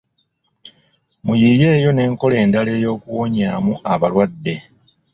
Muyiiyeeyo n’enkola endala ey'okuwonyaamu abalwadde.